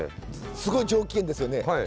すごい上機嫌ですよね。